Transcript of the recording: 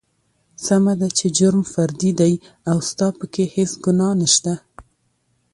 سمه ده چې جرم فردي دى او ستا پکې هېڅ ګنا نشته.